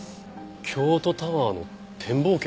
京都タワーの展望券？